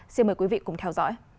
xin mời quý vị cùng theo dõi